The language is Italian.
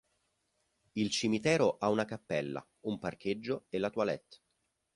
Il cimitero ha una cappella, un parcheggio e la toilette.